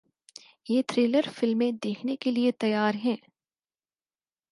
یہ تھرلر فلمیں دیکھنے کے لیے تیار ہیں